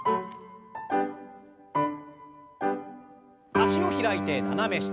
脚を開いて斜め下。